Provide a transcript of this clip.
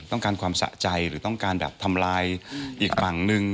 ต้องการความสะใจหรือต้องการแบบทำลายอีกฝั่งนึง